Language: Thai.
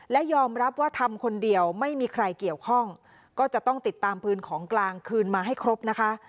และยอมรับว่าทำคนเดียวไม่มีใครเกี่ยวข้องก็จะต้องติดตามปืนของกลางคืนมาให้ครบนะคะ